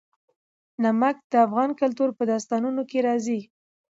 نمک د افغان کلتور په داستانونو کې راځي.